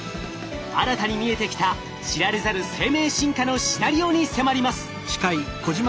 新たに見えてきた知られざる生命進化のシナリオに迫ります。